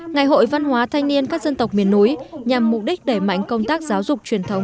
ngày hội văn hóa thanh niên các dân tộc miền núi nhằm mục đích đẩy mạnh công tác giáo dục truyền thống